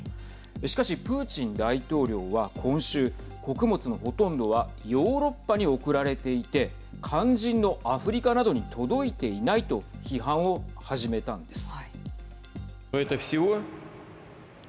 しかし、プーチン大統領は今週穀物のほとんどはヨーロッパに送られていて肝心のアフリカなどに届いていないと批判を始めたんです。